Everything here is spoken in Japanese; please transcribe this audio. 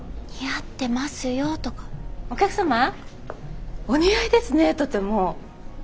お客様お似合いですねとても。